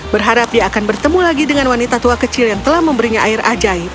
berharap dia akan bertemu lagi dengan wanita tua kecil yang telah memberinya air ajaib